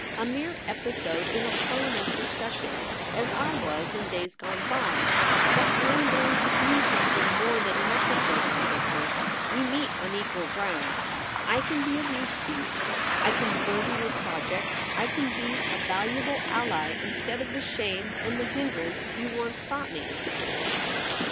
* A mere episode in a Parliamentary session — as I was in days gone by. But I'm going to be something more than an episode now, Victor. We meet on equal ground. I can be of use to you. I can further your projects. I can be a valuable ally instead of the shame and the hindrance you once thought me.'